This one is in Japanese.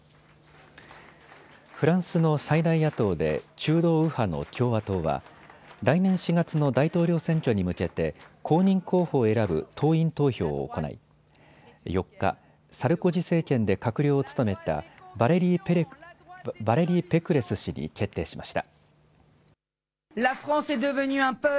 フランスの最大野党で中道右派の共和党は来年４月の大統領選挙に向けて公認候補を選ぶ党員投票を行い、４日、サルコジ政権で閣僚を務めたバレリー・ペクレス氏に決定しました。